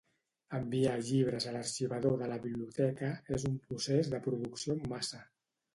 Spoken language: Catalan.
Enviar llibres a l'arxivador de la biblioteca és un procés de producció en massa.